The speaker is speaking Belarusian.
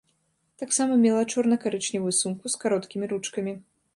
Таксама мела чорна-карычневую сумку з кароткімі ручкамі.